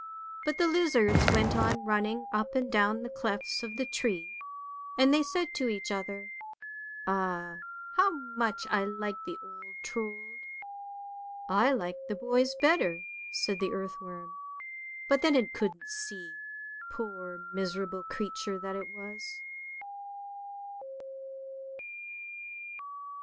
But the lizards went on running up and down the clefts of the tree; and they said to each other, " Ah, how much I liked the old Trold." " I liked the boys better," said the earthworm, but then it couldn't see, poor, miserable creature that it was.